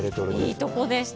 いいところでした。